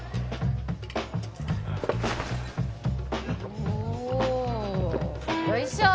おぉよいしょ。